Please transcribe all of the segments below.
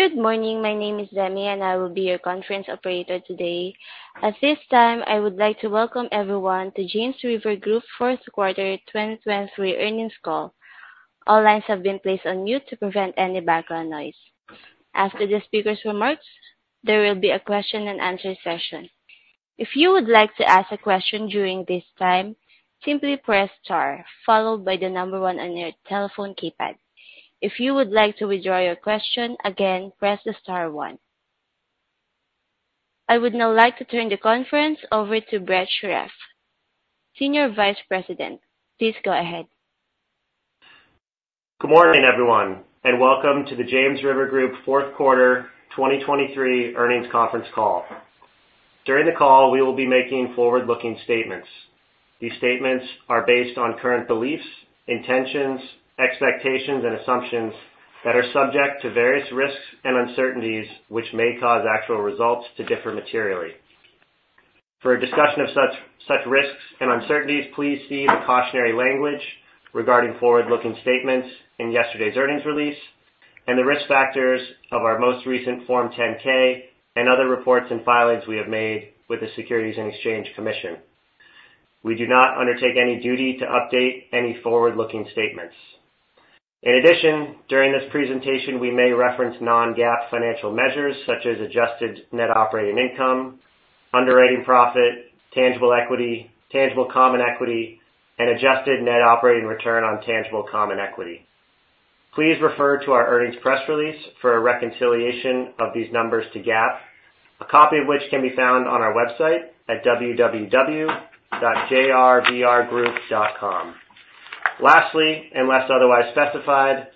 Good morning. My name is Demi, and I will be your conference operator today. At this time, I would like to welcome everyone to James River Group fourth quarter 2023 earnings call. All lines have been placed on mute to prevent any background noise. After the speaker's remarks, there will be a question and answer session. If you would like to ask a question during this time, simply press star followed by 1 on your telephone keypad. If you would like to withdraw your question, again, press the star 1. I would now like to turn the conference over to Brett Shirreffs, Senior Vice President. Please go ahead. Good morning, everyone, and welcome to the James River Group fourth quarter 2023 earnings conference call. During the call, we will be making forward-looking statements. These statements are based on current beliefs, intentions, expectations, and assumptions that are subject to various risks and uncertainties, which may cause actual results to differ materially. For a discussion of such risks and uncertainties, please see the cautionary language regarding forward-looking statements in yesterday's earnings release and the risk factors of our most recent Form 10-K and other reports and filings we have made with the Securities and Exchange Commission. We do not undertake any duty to update any forward-looking statements. In addition, during this presentation, we may reference non-GAAP financial measures such as adjusted net operating income, underwriting profit, tangible equity, tangible common equity, and adjusted net operating return on tangible common equity. Please refer to our earnings press release for a reconciliation of these numbers to GAAP, a copy of which can be found on our website at www.jrvrgroup.com. Lastly, unless otherwise specified,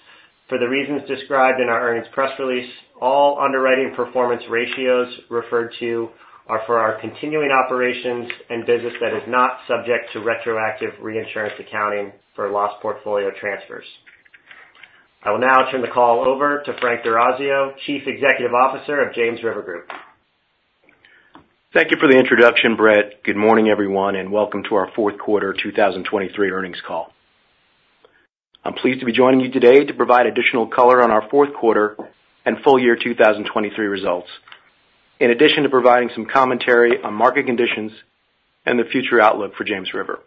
for the reasons described in our earnings press release, all underwriting performance ratios referred to are for our continuing operations and business that is not subject to retroactive reinsurance accounting for loss portfolio transfers. I will now turn the call over to Frank D'Orazio, Chief Executive Officer of James River Group. Thank you for the introduction, Brett. Good morning, everyone, and welcome to our fourth quarter 2023 earnings call. I'm pleased to be joining you today to provide additional color on our fourth quarter and full year 2023 results, in addition to providing some commentary on market conditions and the future outlook for James River.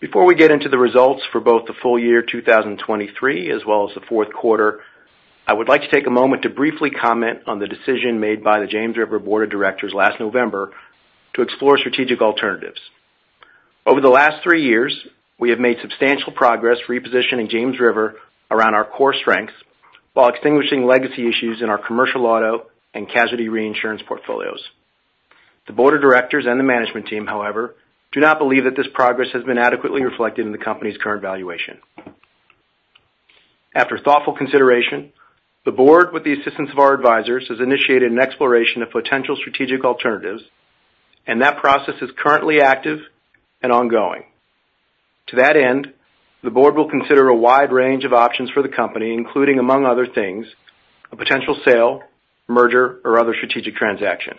Before we get into the results for both the full year 2023 as well as the fourth quarter, I would like to take a moment to briefly comment on the decision made by the James River Board of Directors last November to explore strategic alternatives. Over the last three years, we have made substantial progress repositioning James River around our core strengths while extinguishing legacy issues in our commercial auto and casualty reinsurance portfolios. The board of directors and the management team, however, do not believe that this progress has been adequately reflected in the company's current valuation. After thoughtful consideration, the board, with the assistance of our advisors, has initiated an exploration of potential strategic alternatives. That process is currently active and ongoing. To that end, the board will consider a wide range of options for the company, including, among other things, a potential sale, merger, or other strategic transaction.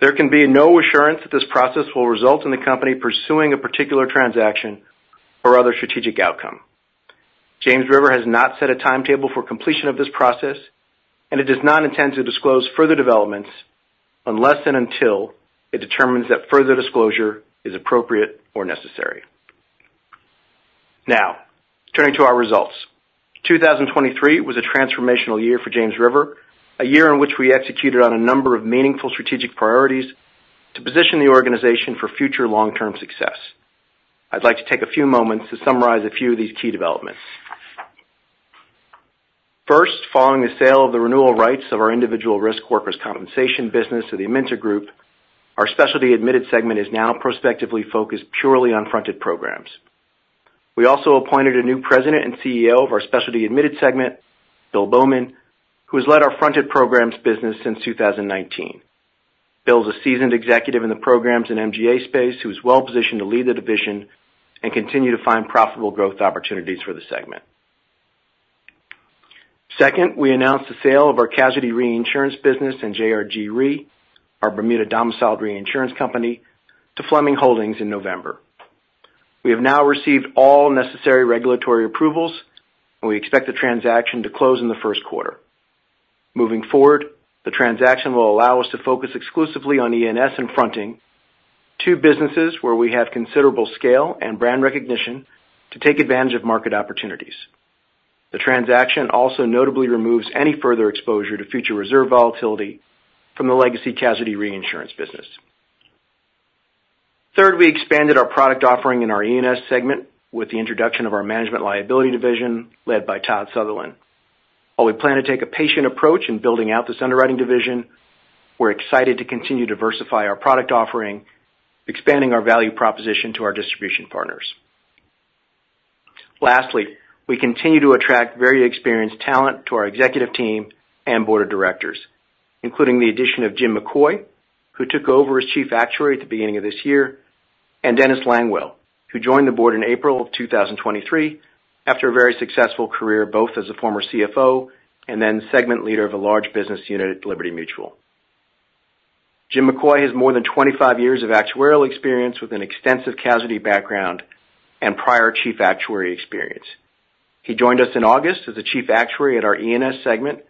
There can be no assurance that this process will result in the company pursuing a particular transaction or other strategic outcome. James River has not set a timetable for completion of this process. It does not intend to disclose further developments unless and until it determines that further disclosure is appropriate or necessary. Now, turning to our results. 2023 was a transformational year for James River, a year in which we executed on a number of meaningful strategic priorities to position the organization for future long-term success. I'd like to take a few moments to summarize a few of these key developments. First, following the sale of the renewal rights of our individual risk workers' compensation business to the Amynta Group, our Specialty Admitted Segment is now prospectively focused purely on fronted programs. We also appointed a new President and CEO of our Specialty Admitted Segment, Bill Bowman, who has led our fronted programs business since 2019. Bill is a seasoned executive in the programs and MGA space who is well-positioned to lead the division and continue to find profitable growth opportunities for the segment. Second, we announced the sale of our casualty reinsurance business in JRG Re, our Bermuda-domiciled reinsurance company, to Fleming Holdings in November. We have now received all necessary regulatory approvals. We expect the transaction to close in the first quarter. Moving forward, the transaction will allow us to focus exclusively on E&S and fronting, two businesses where we have considerable scale and brand recognition to take advantage of market opportunities. The transaction also notably removes any further exposure to future reserve volatility from the legacy casualty reinsurance business. Third, we expanded our product offering in our E&S segment with the introduction of our management liability division led by Todd Sutherland. While we plan to take a patient approach in building out this underwriting division, we are excited to continue to diversify our product offering, expanding our value proposition to our distribution partners. Lastly, we continue to attract very experienced talent to our executive team and board of directors, including the addition of Jim McCoy, who took over as Chief Actuary at the beginning of this year. Dennis Langwell, who joined the board in April of 2023 after a very successful career, both as a former CFO and then segment leader of a large business unit at Liberty Mutual. Jim McCoy has more than 25 years of actuarial experience with an extensive casualty background and prior Chief Actuary experience. He joined us in August as the Chief Actuary at our E&S segment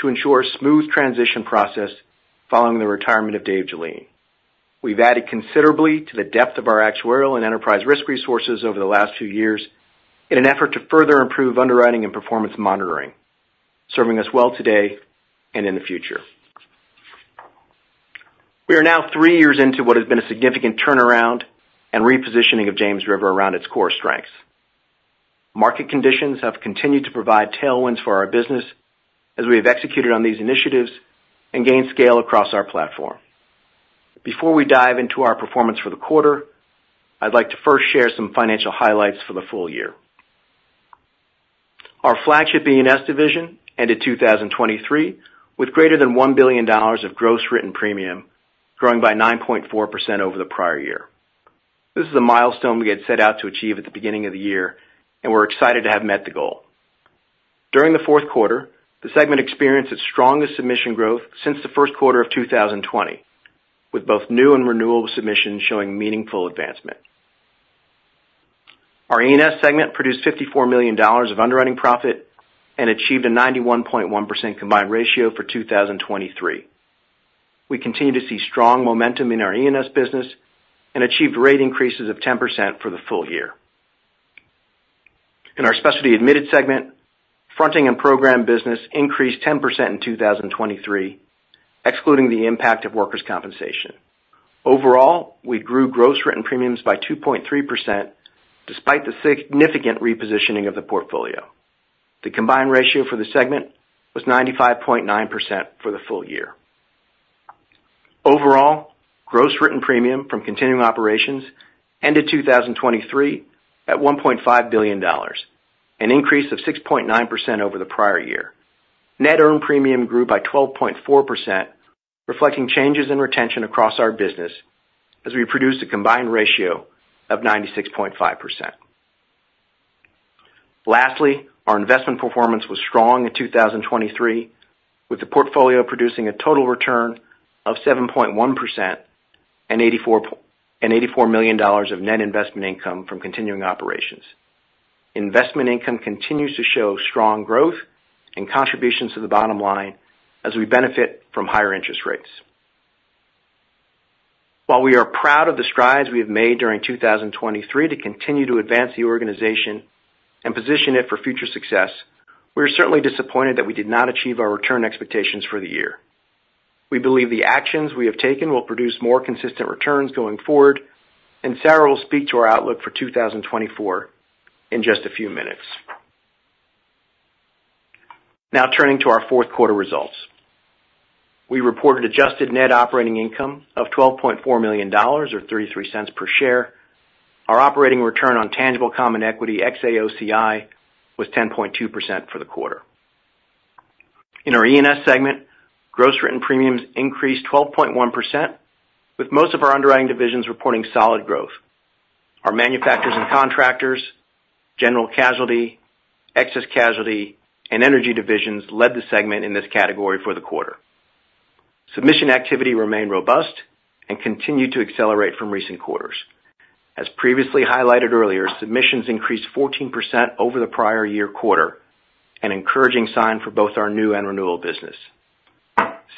to ensure a smooth transition process following the retirement of David Joleen. We've added considerably to the depth of our actuarial and enterprise risk resources over the last few years in an effort to further improve underwriting and performance monitoring, serving us well today and in the future. We are now three years into what has been a significant turnaround and repositioning of James River around its core strengths. Market conditions have continued to provide tailwinds for our business as we have executed on these initiatives and gained scale across our platform. Before we dive into our performance for the quarter, I'd like to first share some financial highlights for the full year. Our flagship E&S division ended 2023 with greater than $1 billion of gross written premium, growing by 9.4% over the prior year. This is a milestone we had set out to achieve at the beginning of the year, and we're excited to have met the goal. During the fourth quarter, the segment experienced its strongest submission growth since the first quarter of 2020, with both new and renewal submissions showing meaningful advancement. Our E&S segment produced $54 million of underwriting profit and achieved a 91.1% combined ratio for 2023. We continue to see strong momentum in our E&S business and achieved rate increases of 10% for the full year. In our specialty admitted segment, fronting and program business increased 10% in 2023, excluding the impact of workers' compensation. Overall, we grew gross written premiums by 2.3%, despite the significant repositioning of the portfolio. The combined ratio for the segment was 95.9% for the full year. Overall, gross written premium from continuing operations ended 2023 at $1.5 billion, an increase of 6.9% over the prior year. Net earned premium grew by 12.4%, reflecting changes in retention across our business as we produced a combined ratio of 96.5%. Lastly, our investment performance was strong in 2023, with the portfolio producing a total return of 7.1% and $84 million of net investment income from continuing operations. Investment income continues to show strong growth and contributions to the bottom line as we benefit from higher interest rates. While we are proud of the strides we have made during 2023 to continue to advance the organization and position it for future success, we are certainly disappointed that we did not achieve our return expectations for the year. We believe the actions we have taken will produce more consistent returns going forward, and Sarah will speak to our outlook for 2024 in just a few minutes. Now, turning to our fourth quarter results. We reported adjusted net operating income of $12.4 million, or $0.33 per share. Our operating return on tangible common equity ex-AOCI was 10.2% for the quarter. In our E&S segment, gross written premiums increased 12.1%, with most of our underwriting divisions reporting solid growth. Our Manufacturers and Contractors, General Casualty, Excess Casualty, and Energy divisions led the segment in this category for the quarter. Submission activity remained robust and continued to accelerate from recent quarters. As previously highlighted earlier, submissions increased 14% over the prior year quarter, an encouraging sign for both our new and renewal business.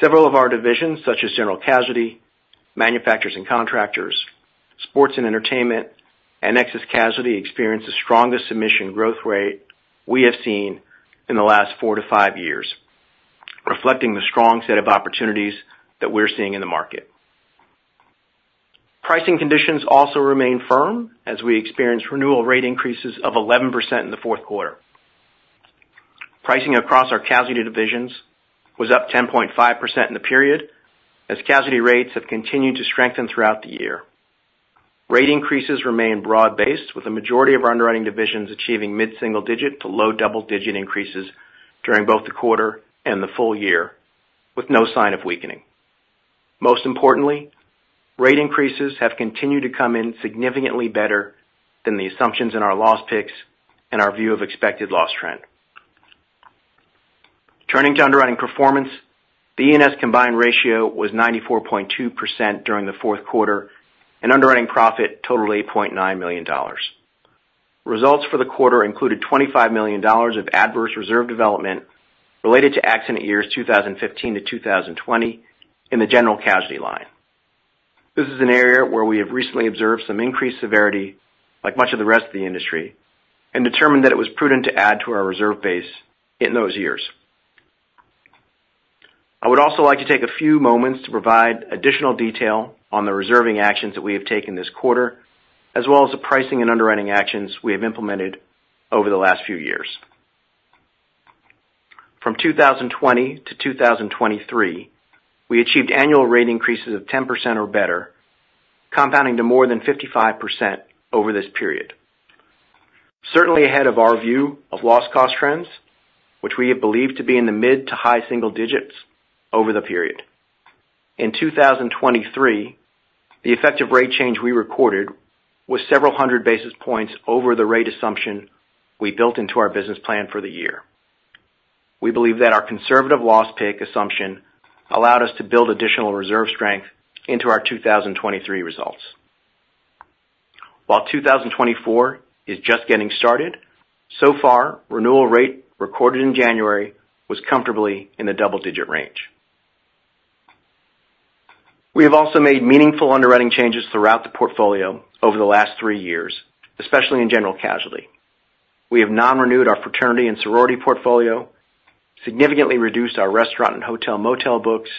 Several of our divisions, such as General Casualty, Manufacturers and Contractors, Sports and Entertainment, and Excess Casualty, experienced the strongest submission growth rate we have seen in the last four to five years, reflecting the strong set of opportunities that we're seeing in the market. Pricing conditions also remain firm as we experience renewal rate increases of 11% in the fourth quarter. Pricing across our casualty divisions was up 10.5% in the period as casualty rates have continued to strengthen throughout the year. Rate increases remain broad-based, with the majority of our underwriting divisions achieving mid-single digit to low double-digit increases during both the quarter and the full year, with no sign of weakening. Most importantly, rate increases have continued to come in significantly better than the assumptions in our loss picks and our view of expected loss trend. Turning to underwriting performance, the E&S combined ratio was 94.2% during the fourth quarter, and underwriting profit totaled $8.9 million. Results for the quarter included $25 million of adverse reserve development related to accident years 2015 to 2020 in the general casualty line. This is an area where we have recently observed some increased severity, like much of the rest of the industry, and determined that it was prudent to add to our reserve base in those years. I would also like to take a few moments to provide additional detail on the reserving actions that we have taken this quarter, as well as the pricing and underwriting actions we have implemented over the last few years. From 2020 to 2023, we achieved annual rate increases of 10% or better, compounding to more than 55% over this period. Certainly ahead of our view of loss cost trends, which we have believed to be in the mid to high single digits over the period. In 2023, the effective rate change we recorded was several hundred basis points over the rate assumption we built into our business plan for the year. We believe that our conservative loss pick assumption allowed us to build additional reserve strength into our 2023 results. While 2024 is just getting started, so far, renewal rate recorded in January was comfortably in the double-digit range. We have also made meaningful underwriting changes throughout the portfolio over the last three years, especially in general casualty. We have non-renewed our fraternity and sorority portfolio, significantly reduced our restaurant and hotel/motel books,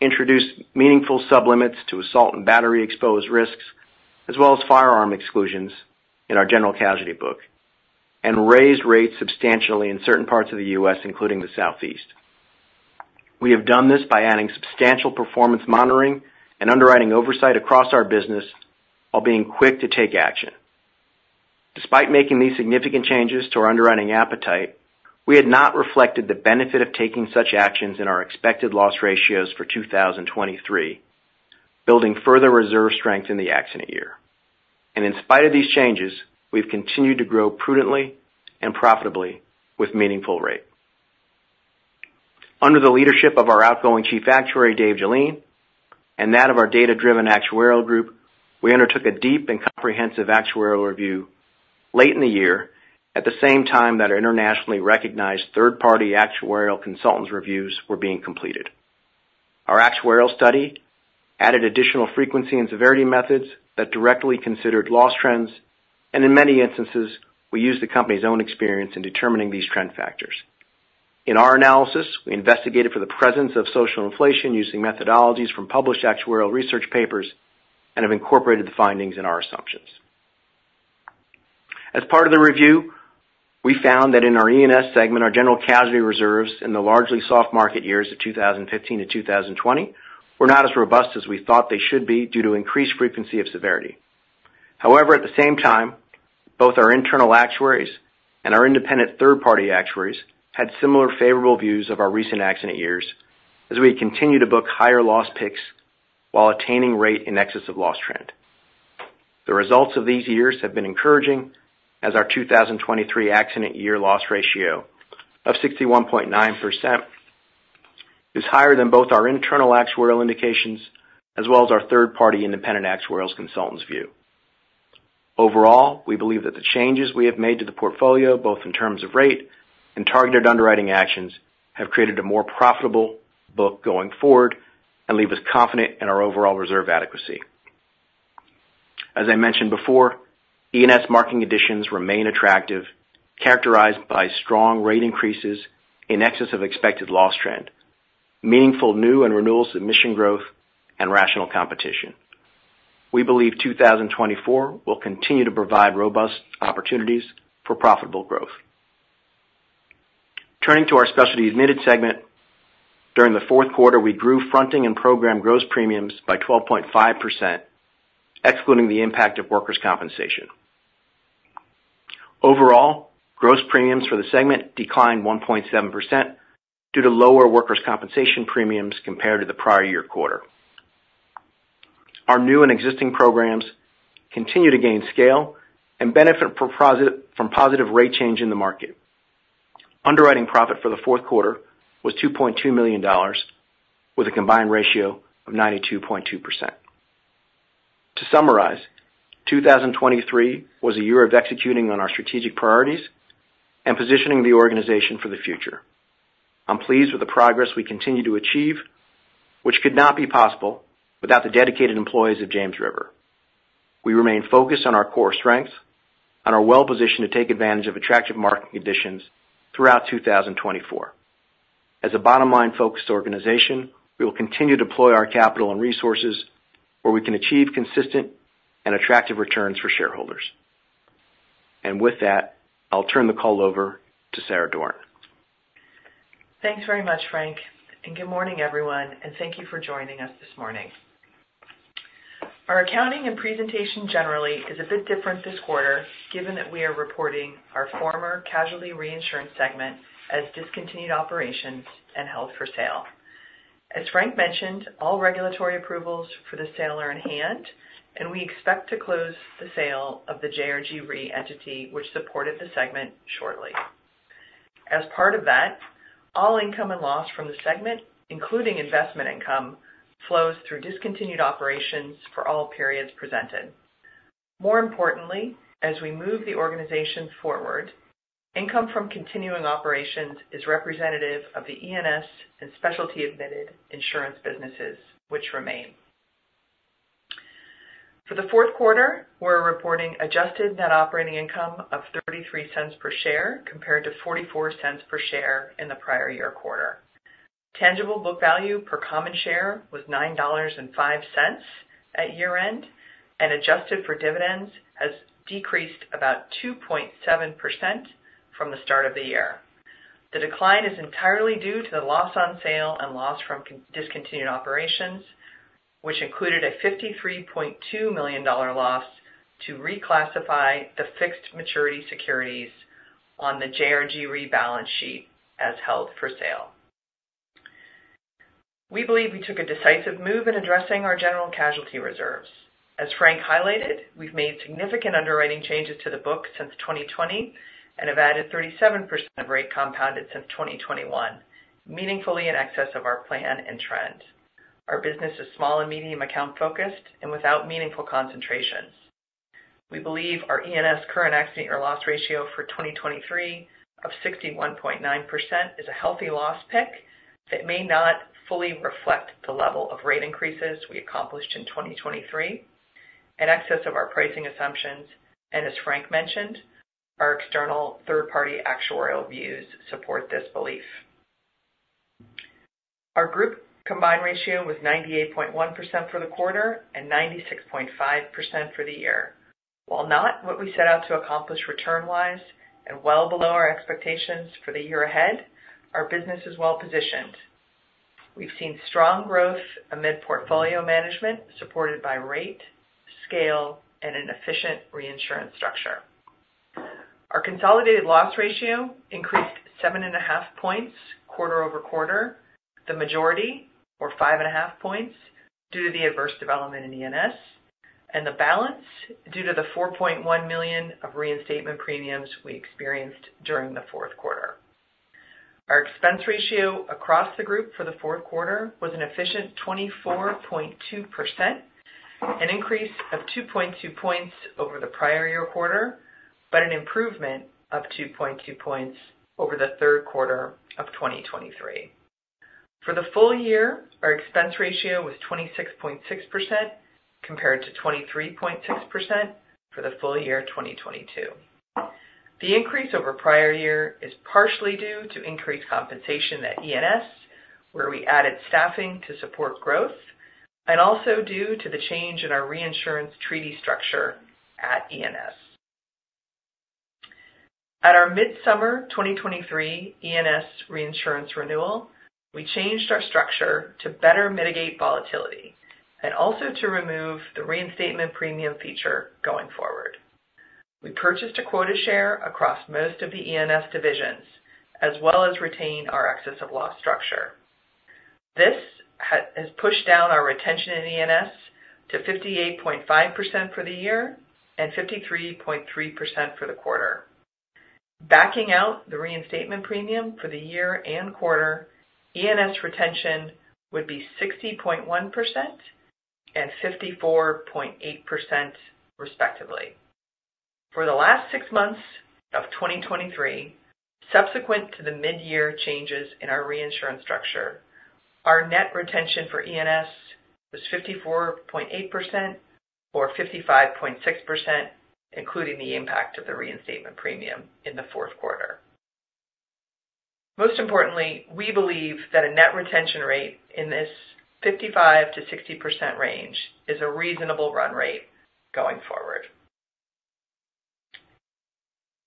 introduced meaningful sub-limits to assault and battery exposed risks, as well as firearm exclusions in our general casualty book, and raised rates substantially in certain parts of the U.S., including the Southeast. We have done this by adding substantial performance monitoring and underwriting oversight across our business while being quick to take action. Despite making these significant changes to our underwriting appetite, we had not reflected the benefit of taking such actions in our expected loss ratios for 2023, building further reserve strength in the accident year. In spite of these changes, we've continued to grow prudently and profitably with meaningful rate. Under the leadership of our outgoing Chief Actuary, David Joleen, and that of our data-driven actuarial group, we undertook a deep and comprehensive actuarial review late in the year, at the same time that our internationally recognized third-party actuarial consultants' reviews were being completed. Our actuarial study added additional frequency and severity methods that directly considered loss trends, and in many instances, we used the company's own experience in determining these trend factors. In our analysis, we investigated for the presence of social inflation using methodologies from published actuarial research papers and have incorporated the findings in our assumptions. As part of the review, we found that in our E&S segment, our general casualty reserves in the largely soft market years of 2015 to 2020 were not as robust as we thought they should be due to increased frequency of severity. At the same time, both our internal actuaries and our independent third-party actuaries had similar favorable views of our recent accident years as we continue to book higher loss picks while attaining rate in excess of loss trend. The results of these years have been encouraging as our 2023 accident year loss ratio of 61.9% is higher than both our internal actuarial indications as well as our third-party independent actuarial consultant's view. Overall, we believe that the changes we have made to the portfolio, both in terms of rate and targeted underwriting actions, have created a more profitable book going forward and leave us confident in our overall reserve adequacy. As I mentioned before, E&S marketing additions remain attractive, characterized by strong rate increases in excess of expected loss trend, meaningful new and renewal submission growth, and rational competition. We believe 2024 will continue to provide robust opportunities for profitable growth. Turning to our Specialty Admitted segment, during the fourth quarter, we grew fronting and program gross premiums by 12.5%, excluding the impact of workers' compensation. Overall, gross premiums for the segment declined 1.7% due to lower workers' compensation premiums compared to the prior year quarter. Our new and existing programs continue to gain scale and benefit from positive rate change in the market. Underwriting profit for the fourth quarter was $2.2 million, with a combined ratio of 92.2%. To summarize, 2023 was a year of executing on our strategic priorities and positioning the organization for the future. I'm pleased with the progress we continue to achieve, which could not be possible without the dedicated employees of James River. We remain focused on our core strengths and are well-positioned to take advantage of attractive market conditions throughout 2024. As a bottom-line-focused organization, we will continue to deploy our capital and resources where we can achieve consistent and attractive returns for shareholders. With that, I'll turn the call over to Sarah Doran. Thanks very much, Frank. Good morning, everyone, and thank you for joining us this morning. Our accounting and presentation generally is a bit different this quarter, given that we are reporting our former casualty reinsurance segment as discontinued operations and held for sale. As Frank mentioned, all regulatory approvals for the sale are in hand, and we expect to close the sale of the JRG Re entity which supported the segment shortly. As part of that, all income and loss from the segment, including investment income, flows through discontinued operations for all periods presented. More importantly, as we move the organization forward, income from continuing operations is representative of the E&S and Specialty Admitted Insurance businesses which remain. For the fourth quarter, we're reporting adjusted net operating income of $0.33 per share, compared to $0.44 per share in the prior year quarter. Tangible book value per common share was $9.05 at year-end, and adjusted for dividends, has decreased about 2.7% from the start of the year. The decline is entirely due to the loss on sale and loss from discontinued operations, which included a $53.2 million loss to reclassify the fixed maturity securities on the JRG Re balance sheet as held for sale. We believe we took a decisive move in addressing our general casualty reserves. As Frank highlighted, we've made significant underwriting changes to the book since 2020 and have added 37% rate compounded since 2021, meaningfully in excess of our plan and trend. Our business is small and medium account-focused and without meaningful concentrations. We believe our E&S current accident year loss ratio for 2023 of 61.9% is a healthy loss pick that may not fully reflect the level of rate increases we accomplished in 2023, in excess of our pricing assumptions, and as Frank mentioned, our external third-party actuarial views support this belief. Our group combined ratio was 98.1% for the quarter and 96.5% for the year. While not what we set out to accomplish return-wise and well below our expectations for the year ahead, our business is well-positioned. We've seen strong growth amid portfolio management supported by rate, scale, and an efficient reinsurance structure. Our consolidated loss ratio increased 7.5 points quarter-over-quarter, the majority or 5.5 points due to the adverse development in E&S, and the balance due to the $4.1 million of reinstatement premiums we experienced during the fourth quarter. Our expense ratio across the group for the fourth quarter was an efficient 24.2%, an increase of 2.2 points over the prior year quarter. An improvement of 2.2 points over the third quarter of 2023. For the full year, our expense ratio was 26.6% compared to 23.6% for the full year 2022. The increase over prior year is partially due to increased compensation at E&S, where we added staffing to support growth. Also due to the change in our reinsurance treaty structure at E&S. At our mid-summer 2023 E&S reinsurance renewal, we changed our structure to better mitigate volatility and also to remove the reinstatement premium feature going forward. We purchased a quota share across most of the E&S divisions, as well as retain our excess of loss structure. This has pushed down our retention in E&S to 58.5% for the year and 53.3% for the quarter. Backing out the reinstatement premium for the year and quarter, E&S retention would be 60.1% and 54.8% respectively. For the last six months of 2023, subsequent to the mid-year changes in our reinsurance structure, our net retention for E&S was 54.8%, or 55.6%, including the impact of the reinstatement premium in the fourth quarter. Most importantly, we believe that a net retention rate in this 55%-60% range is a reasonable run rate going forward.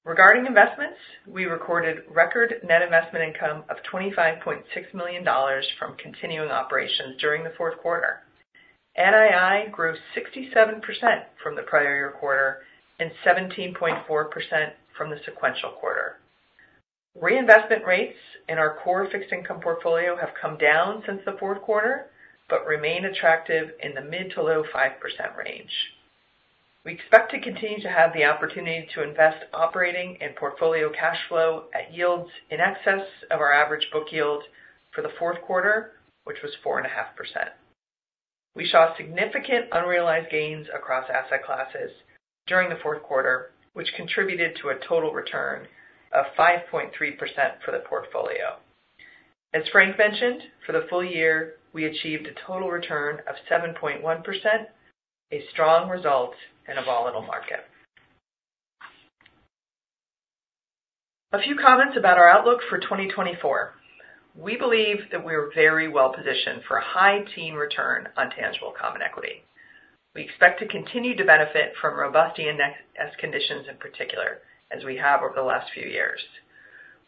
Regarding investments, we recorded record net investment income of $25.6 million from continuing operations during the fourth quarter. NII grew 67% from the prior year quarter and 17.4% from the sequential quarter. Reinvestment rates in our core fixed income portfolio have come down since the fourth quarter, but remain attractive in the mid to low 5% range. We expect to continue to have the opportunity to invest operating and portfolio cash flow at yields in excess of our average book yield for the fourth quarter, which was 4.5%. We saw significant unrealized gains across asset classes during the fourth quarter, which contributed to a total return of 5.3% for the portfolio. As Frank mentioned, for the full year, we achieved a total return of 7.1%, a strong result in a volatile market. A few comments about our outlook for 2024. We believe that we're very well-positioned for a high teen return on tangible common equity. We expect to continue to benefit from robust E&S conditions in particular, as we have over the last few years.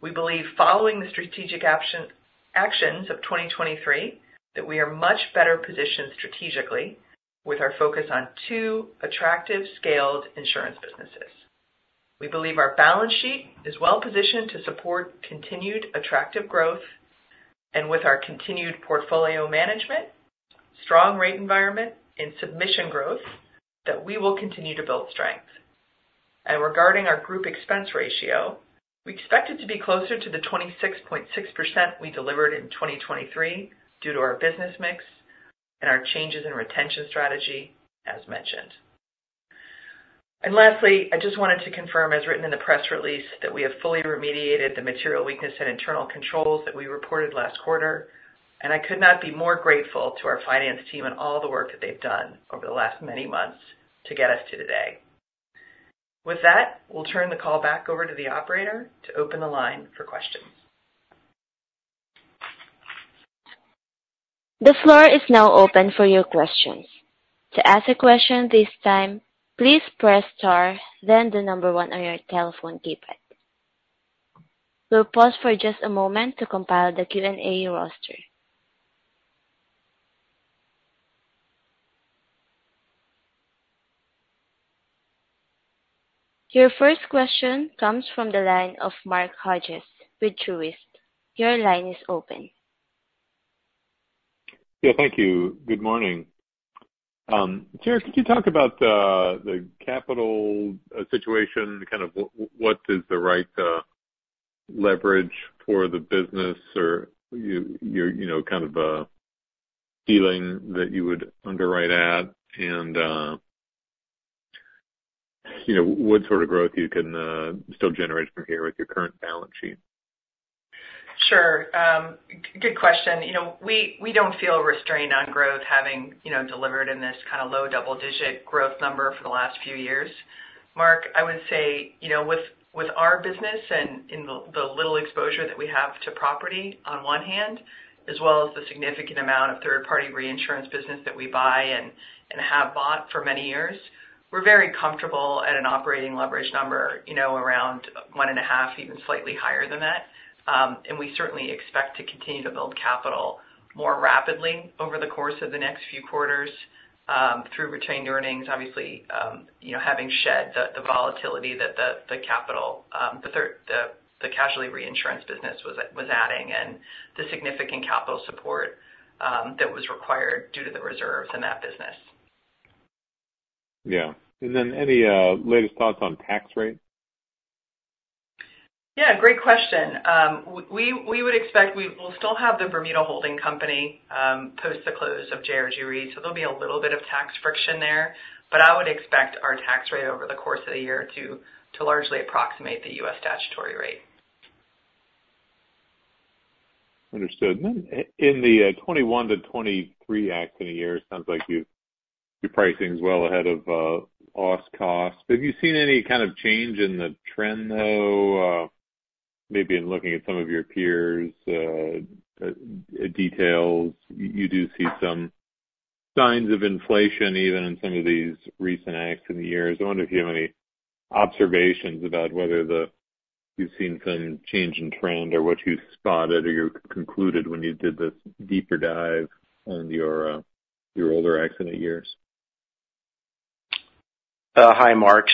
We believe following the strategic actions of 2023, that we are much better positioned strategically with our focus on two attractive scaled insurance businesses. We believe our balance sheet is well-positioned to support continued attractive growth. With our continued portfolio management, strong rate environment, and submission growth, that we will continue to build strength. Regarding our group expense ratio, we expect it to be closer to the 26.6% we delivered in 2023 due to our business mix and our changes in retention strategy as mentioned. Lastly, I just wanted to confirm, as written in the press release, that we have fully remediated the material weakness in internal controls that we reported last quarter. I could not be more grateful to our finance team and all the work that they've done over the last many months to get us to today. With that, we'll turn the call back over to the operator to open the line for questions. The floor is now open for your questions. To ask a question this time, please press star then the number one on your telephone keypad. We'll pause for just a moment to compile the Q&A roster. Your first question comes from the line of Mark Hughes with Truist. Your line is open. Yeah. Thank you. Good morning. Sarah, could you talk about the capital situation, kind of what is the right leverage for the business or your kind of a feeling that you would underwrite at and what sort of growth you can still generate from here with your current balance sheet? Sure. Good question. We don't feel restrained on growth, having delivered in this kind of low double-digit growth number for the last few years. Mark, I would say, with our business and in the little exposure that we have to property on one hand, as well as the significant amount of third-party reinsurance business that we buy and have bought for many years, we're very comfortable at an operating leverage number around one and a half, even slightly higher than that. We certainly expect to continue to build capital more rapidly over the course of the next few quarters, through retained earnings, obviously, having shed the volatility that the casualty reinsurance business was adding and the significant capital support that was required due to the reserves in that business. Yeah. Any latest thoughts on tax rate? Yeah, great question. We would expect we will still have the Bermuda Holding company, post the close of JRG Re, there'll be a little bit of tax friction there. I would expect our tax rate over the course of the year to largely approximate the U.S. statutory rate. Understood. In the 2021 to 2023 accident years, sounds like your pricing's well ahead of loss cost. Have you seen any kind of change in the trend, though? Maybe in looking at some of your peers' details, you do see some signs of inflation even in some of these recent accident years. I wonder if you have any observations about whether you've seen some change in trend or what you spotted or you concluded when you did this deeper dive on your older accident years. Hi, Mark.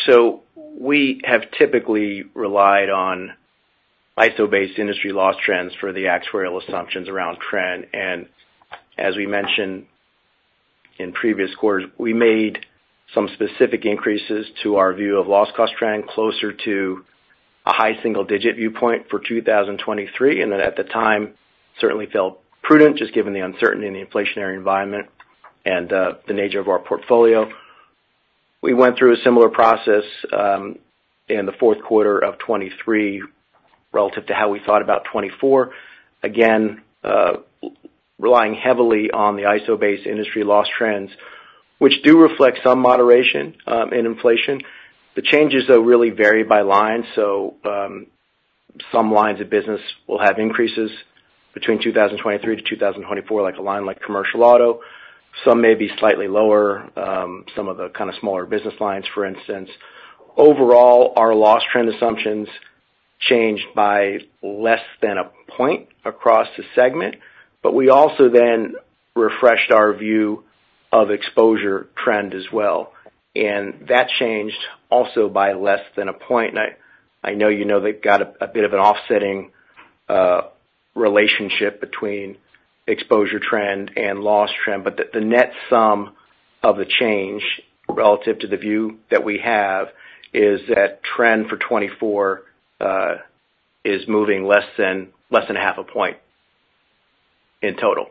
We have typically relied on ISO-based industry loss trends for the actuarial assumptions around trend. As we mentioned in previous quarters, we made some specific increases to our view of loss cost trend closer to a high single-digit viewpoint for 2023. At the time, certainly felt prudent, just given the uncertainty in the inflationary environment and the nature of our portfolio. We went through a similar process, in the fourth quarter of 2023, relative to how we thought about 2024. Again, relying heavily on the ISO-based industry loss trends, which do reflect some moderation in inflation. The changes, though, really vary by line. Some lines of business will have increases between 2023 to 2024, like a line like commercial auto. Some may be slightly lower, some of the kind of smaller business lines, for instance. Overall, our loss trend assumptions changed by less than a point across the segment, but we also then refreshed our view of exposure trend as well. That changed also by less than a point. I know you know they've got a bit of an offsetting relationship between exposure trend and loss trend, but the net sum of the change relative to the view that we have is that trend for 2024 is moving less than a half a point in total.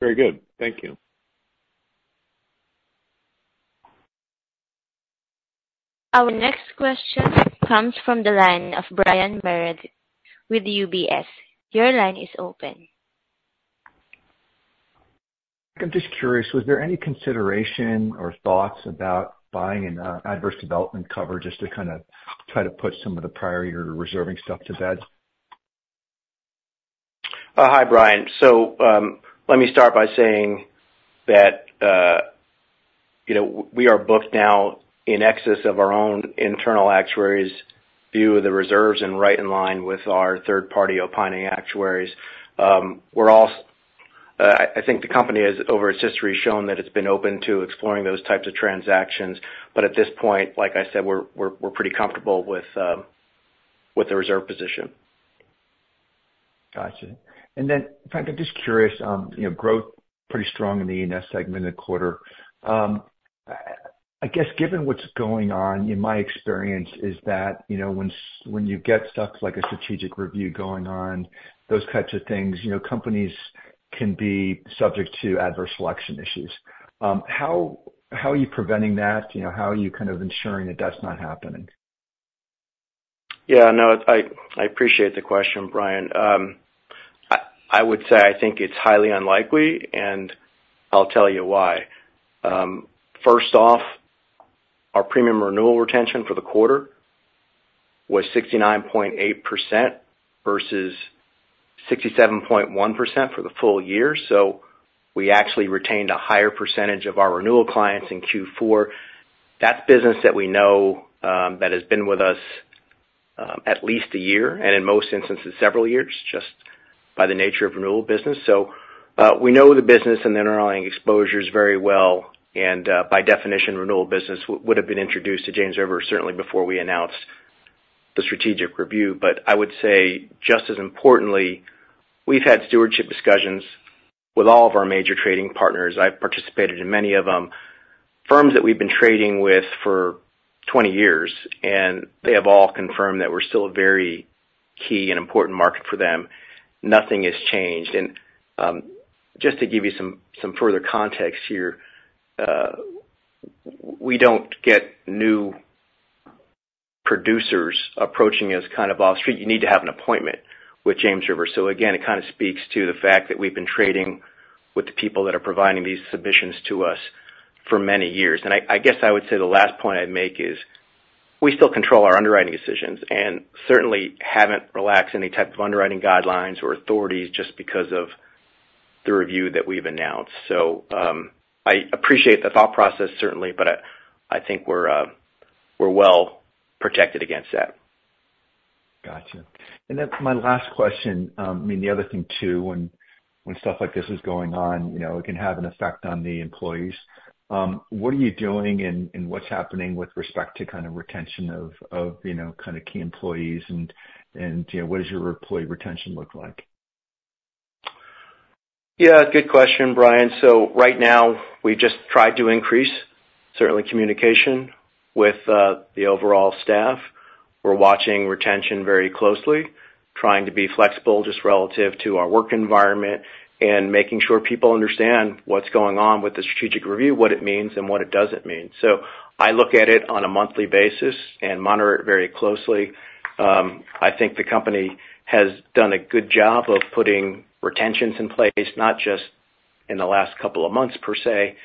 Very good. Thank you. Our next question comes from the line of Brian Meredith with UBS. Your line is open. I'm just curious, was there any consideration or thoughts about buying an Adverse Development Cover just to kind of try to put some of the prior year reserving stuff to bed? Hi, Brian. Let me start by saying that we are booked now in excess of our own internal actuaries' view of the reserves and right in line with our third-party opining actuaries. I think the company has, over its history, shown that it's been open to exploring those types of transactions. At this point, like I said, we're pretty comfortable with the reserve position. Got you. Frank, I'm just curious, growth pretty strong in the E&S segment in the quarter. I guess given what's going on, in my experience is that, when you get stuff like a strategic review going on, those types of things, companies can be subject to adverse selection issues. How are you preventing that? How are you kind of ensuring that that's not happening? No, I appreciate the question, Brian. I would say I think it's highly unlikely. I'll tell you why. First off, our premium renewal retention for the quarter was 69.8% versus 67.1% for the full year. We actually retained a higher percentage of our renewal clients in Q4. That's business that we know, that has been with us at least a year, and in most instances, several years, just by the nature of renewal business. We know the business and the underlying exposures very well, and by definition, renewal business would have been introduced to James River certainly before we announced the strategic review. I would say, just as importantly, we've had stewardship discussions with all of our major trading partners. I've participated in many of them. Firms that we've been trading with for 20 years, they have all confirmed that we're still a very key and important market for them. Nothing has changed. Just to give you some further context here, we don't get new producers approaching us off street. You need to have an appointment with James River. Again, it kind of speaks to the fact that we've been trading with the people that are providing these submissions to us for many years. I guess I would say the last point I'd make is we still control our underwriting decisions, certainly haven't relaxed any type of underwriting guidelines or authorities just because of the review that we've announced. I appreciate the thought process certainly, but I think we're well protected against that. Got you. That's my last question. I mean, the other thing too, when stuff like this is going on, it can have an effect on the employees. What are you doing and what's happening with respect to retention of key employees and what does your employee retention look like? Yeah, good question, Brian. Right now we've just tried to increase, certainly communication with the overall staff. We're watching retention very closely, trying to be flexible just relative to our work environment and making sure people understand what's going on with the strategic review, what it means and what it doesn't mean. I look at it on a monthly basis and monitor it very closely. I think the company has done a good job of putting retentions in place, not just in the last couple of months per se,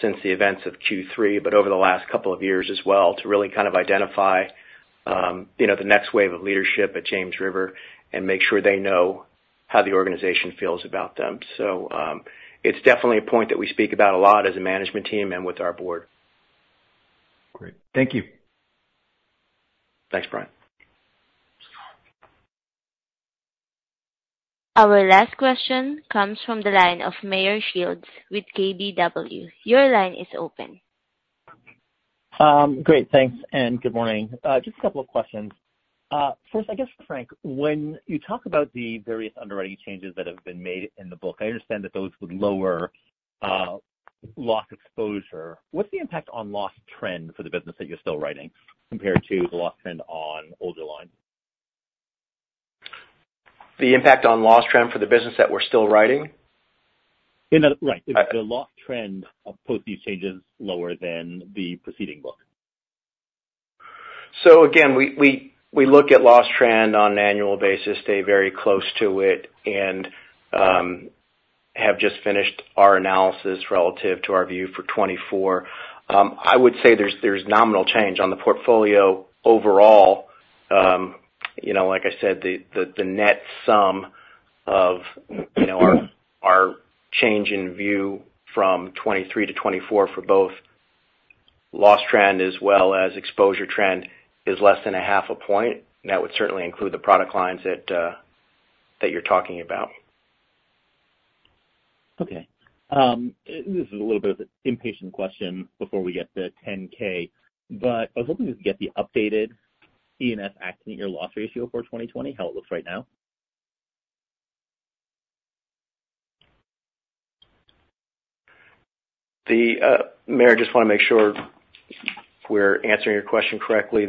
since the events of Q3, but over the last couple of years as well to really identify the next wave of leadership at James River and make sure they know how the organization feels about them. It's definitely a point that we speak about a lot as a management team and with our board. Great. Thank you. Thanks, Brian. Our last question comes from the line of Meyer Shields with KBW. Your line is open. Great. Thanks, and good morning. Just a couple of questions. First, I guess, Frank, when you talk about the various underwriting changes that have been made in the book, I understand that those would lower loss exposure. What's the impact on loss trend for the business that you're still writing compared to the loss trend on older lines? The impact on loss trend for the business that we're still writing? Right. Is the loss trend of post these changes lower than the preceding book? Again, we look at loss trend on an annual basis, stay very close to it, and have just finished our analysis relative to our view for 2024. I would say there's nominal change on the portfolio overall. Like I said, the net sum of our change in view from 2023 to 2024 for both loss trend as well as exposure trend is less than a half a point. That would certainly include the product lines that you're talking about. Okay. This is a little bit of an impatient question before we get the 10-K, but I was hoping to get the updated C&F accident year loss ratio for 2020, how it looks right now. Meyer, just want to make sure we're answering your question correctly.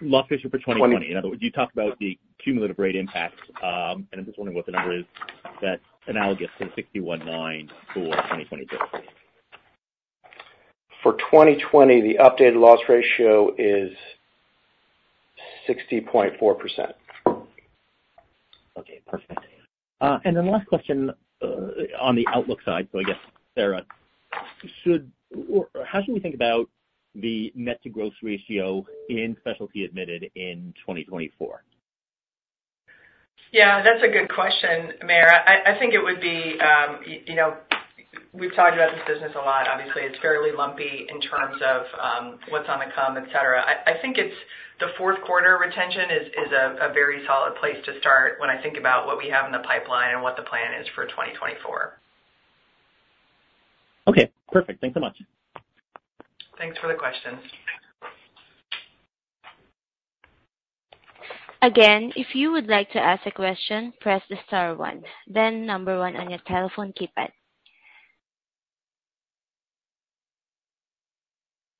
Loss ratio for 2020. In other words, you talked about the cumulative rate impact, I'm just wondering what the number is that's analogous to the 61.9 for 2023. For 2020, the updated loss ratio is 60.4%. Okay, perfect. Then last question on the outlook side, I guess, Sarah, how should we think about the net-to-gross ratio in Specialty Admitted Insurance in 2024? Yeah, that's a good question, Meyer. I think we've talked about this business a lot. Obviously, it's fairly lumpy in terms of what's on the come, et cetera. I think it's the fourth quarter retention is a very solid place to start when I think about what we have in the pipeline and what the plan is for 2024. Okay, perfect. Thanks so much. Thanks for the questions. Again, if you would like to ask a question, press the star one, then number one on your telephone keypad.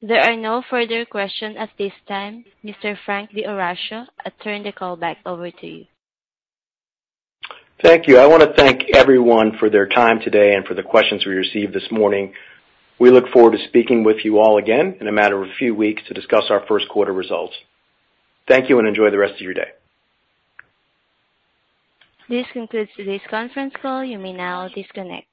There are no further questions at this time. Mr. Frank D'Orazio, I turn the call back over to you. Thank you. I want to thank everyone for their time today and for the questions we received this morning. We look forward to speaking with you all again in a matter of a few weeks to discuss our first quarter results. Thank you and enjoy the rest of your day. This concludes today's conference call. You may now disconnect.